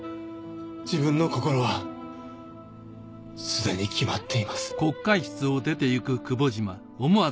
自分の心はすでに決まっています。